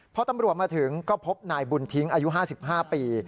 พอตำรวจมาถึงก็พบนายบุญทิ้งอายุ๕๕ปี